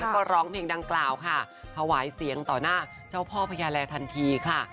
แล้วก็ร้องเพลงดังกล่าวค่ะถวายเสียงต่อหน้าเจ้าพ่อพญาแลทันทีค่ะ